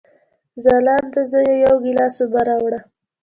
ځلانده زویه، یو ګیلاس اوبه راوړه!